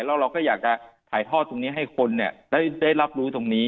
แล้วเราก็อยากจะถ่ายทอดตรงนี้ให้คนได้รับรู้ตรงนี้